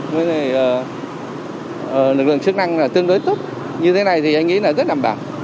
bên này lực lượng chức năng tương đối tốt như thế này thì anh nghĩ là rất đảm bảo